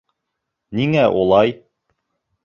Ниңә улай?